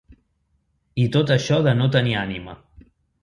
I tot això de no tenir ànima.